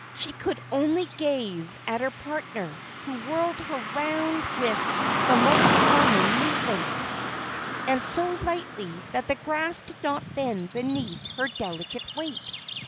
She could only gaze at her partner, who whirled her around with the most charming movements, and so lightly that the grass did not bend beneath her delicate weight.